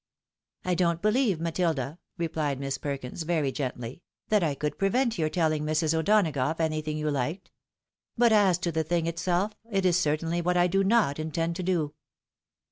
" "I don't belieye, Matilda," repUed Miss Perkins, very gently, " that I could prevent your telling Mrs. O'Donagough anything you liked. But as to the thing itself, it is certainly what I do not intend to do."